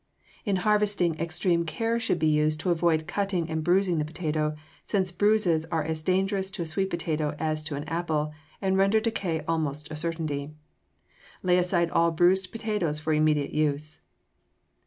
In harvesting, extreme care should be used to avoid cutting and bruising the potato, since bruises are as dangerous to a sweet potato as to an apple, and render decay almost a certainty. Lay aside all bruised potatoes for immediate use.